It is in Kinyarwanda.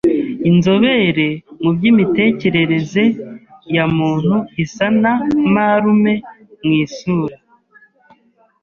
Inzobere mu by'imitekerereze ya muntu isa na marume mu isura.